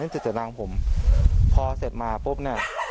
จิตใจนางผมพอเสร็จมาปุ๊บเนี่ย